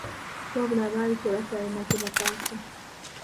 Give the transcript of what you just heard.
Wabula, baali tebakyalina kye bataasa!